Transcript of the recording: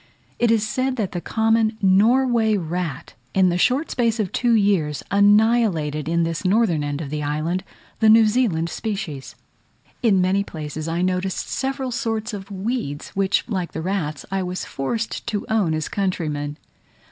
It is said that the common Norway rat, in the short space of two years, annihilated in this northern end of the island, the New Zealand species. In many places I noticed several sorts of weeds, which, like the rats, I was forced to own as countrymen.